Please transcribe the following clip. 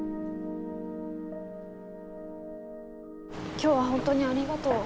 今日は本当にありがとう。